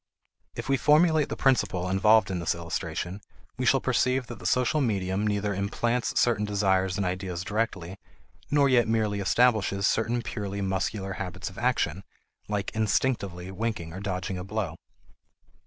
If we formulate the principle involved in this illustration, we shall perceive that the social medium neither implants certain desires and ideas directly, nor yet merely establishes certain purely muscular habits of action, like "instinctively" winking or dodging a blow.